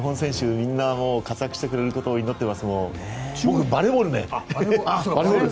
みんな活躍してくれることを祈っています。